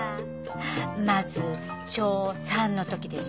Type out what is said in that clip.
まず小３の時でしょ。